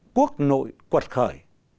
quốc nội quật khởi